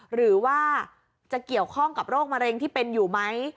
หรือว่าจะเกี่ยวข้องกับโรคมะเร็งที่เป็นอยู่ไหม